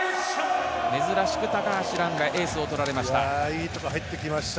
珍しく高橋藍がエースを取られました。